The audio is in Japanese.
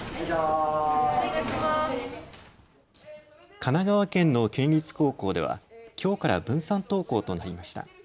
神奈川県の県立高校ではきょうから分散登校となりました。